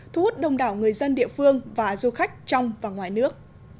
thu hút đông đảo người dân địa phương và du khách trong và ngoài nước